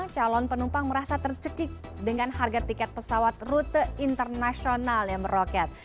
calon penumpang merasa tercekik dengan harga tiket pesawat rute internasional yang meroket